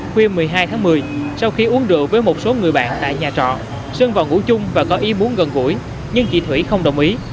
khuya một mươi hai tháng một mươi sau khi uống rượu với một số người bạn tại nhà trọ sơn vào ngủ chung và có ý muốn gần gũi nhưng chị thủy không đồng ý